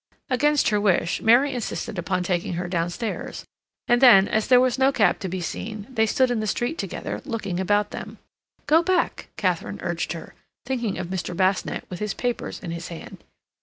Against her wish, Mary insisted upon taking her downstairs, and then, as there was no cab to be seen, they stood in the street together, looking about them. "Go back," Katharine urged her, thinking of Mr. Basnett with his papers in his hand.